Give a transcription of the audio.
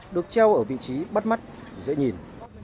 được treo ở vị trí bắt mắt dễ nhìn